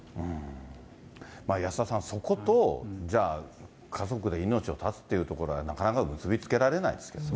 安田さん、そことじゃあ、家族で命を絶つってとこはなかなか結び付けられないですけどね。